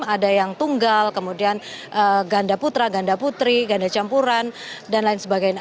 ada yang tunggal kemudian ganda putra ganda putri ganda campuran dan lain sebagainya